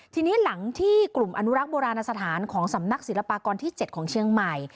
ทีนี้หลังที่กลุ่มอนุรักษ์โบราณสถานของสำนักศิลปากรที่๗ของเชียงใหม่